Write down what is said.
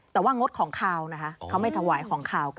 แต่ว่างดของขาวนะคะเขาไม่ถวายของขาวกัน